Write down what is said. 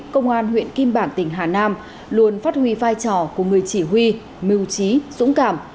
công an huyện kim bảng tỉnh hà nam luôn phát huy vai trò của người chỉ huy mưu trí dũng cảm